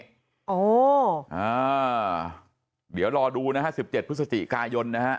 เดี๋ยวรอดูนะฮะ๑๗พฤศจิกายนนะฮะ